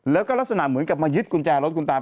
แล้วก็ลักษณะเหมือนกับมายึดกุญแจรถคุณตา